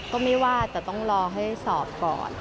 ก็ไม่ว่าแต่ต้องรอให้สอบก่อน